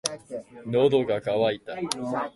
喉が渇いた。